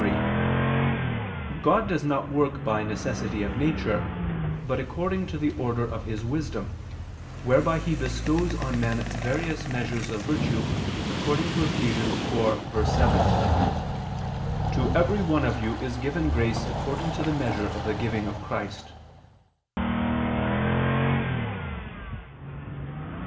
3: God does not work by necessity of nature, but according to the order of His wisdom, whereby He bestows on men various measures of virtue, according to Eph. 4:7: "To every one of you [Vulg.: 'us'] is given grace according to the measure of the giving of Christ."